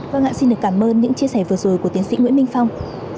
vâng ạ xin được cảm ơn những chia sẻ vừa rồi của tiến sĩ nguyễn minh phong